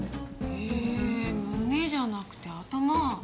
へえ胸じゃなくて頭。